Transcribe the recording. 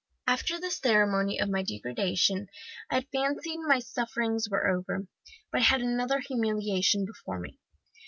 "After the ceremony of my degradation I had fancied my sufferings were over, but I had another humiliation before me.